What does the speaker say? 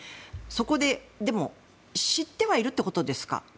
そこででも知ってはいるということですか。